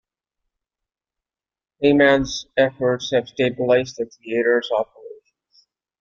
Peymann's efforts have stabilized the theatre's operations.